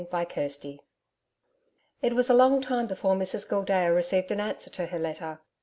CHAPTER 11 It was a long time before Mrs Gildea received an answer to her letter.